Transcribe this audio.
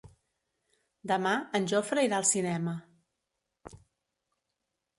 Demà en Jofre irà al cinema.